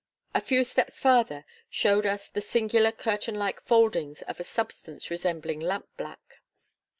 A few steps farther showed us the singular curtain like foldings of a substance resembling lampblack.